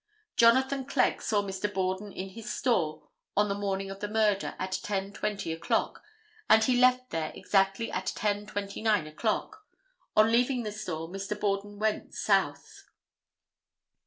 Jonathan Clegg saw Mr. Borden in his store on the morning of the murder at 10:20 o'clock, and he left there exactly at 10:29 o'clock. On leaving the store Mr. Borden went south.